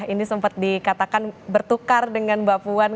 ini sempat dikatakan bertukar dengan mbak puan